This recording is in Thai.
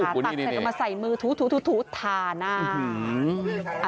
ออกมาใส่มือถูถูถาหน้า